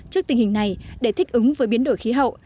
trước tình hình này để thích ứng với biến đổi khí hậu